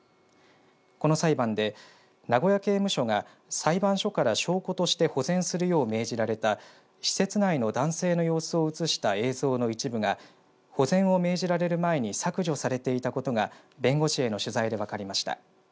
この裁判で名古屋刑務所が裁判所から証拠として保全するよう命じられた施設内の男性の様子を写した映像の一部が保全を命じられる前に削除されていたことが弁護士への取材で分かりました。